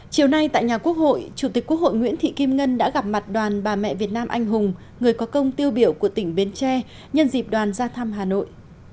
chiều nay tại nhà quốc hội chủ tịch quốc hội nguyễn thị kim ngân đã gặp mặt đoàn bà mẹ việt nam anh hùng người có công tiêu biểu của tỉnh bến tre nhân dịp đoàn ra thăm hà nội